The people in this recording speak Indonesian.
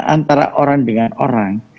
antara orang dengan orang